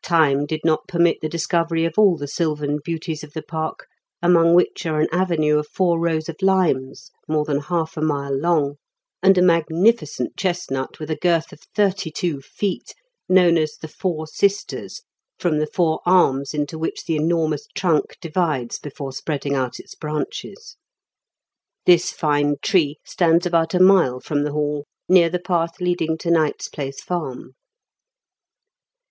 Time did not permit the discovery of all the sylvan beauties of the park, among which are an avenue of four rows of limes, more than half a mile long, and a magnificent chestnut, SHOBNE WOOD. 13 with a girth of thirty two feet, known as Thd Four Sisters, from the four arms into which the enormous trunk divides before spreading out its branches. This fine tree stands about a . mile from the Hall, near the path leading to Knight's Place Farm.